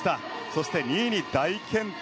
そして２位に大健闘